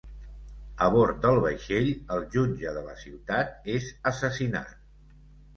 A bord del vaixell, el jutge de la ciutat és assassinat.